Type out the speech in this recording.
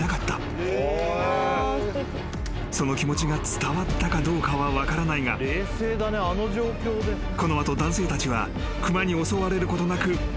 ［その気持ちが伝わったかどうかは分からないがこの後男性たちは熊に襲われることなく］